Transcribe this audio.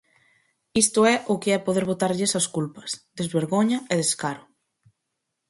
Isto é o que é poder botarlle esas culpas: desvergoña e descaro.